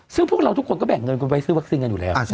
ซึ่งพวกเราทุกคนก็แบ่งเงินคุณไว้ซื้อวัคซีนกันอยู่แล้ว